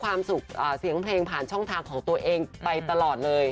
เสียงเพลงผ่านช่องทางของตัวเองไปตลอดเลย